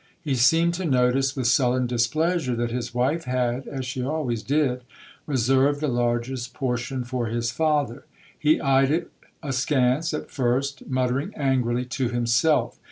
He seemed to notice, with sullen displeasure, that his wife had (as she always did) reserved the largest portion for his father. He eyed it askance at first, muttering angrily to himself.